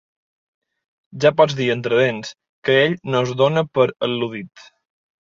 Ja pots dir entre dents, que ell no es dóna per al·ludit.